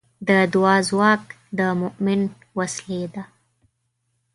د دعا ځواک د مؤمن وسلې ده.